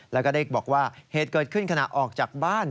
แล้วก็ได้บอกว่าเหตุเกิดขึ้นขณะออกจากบ้าน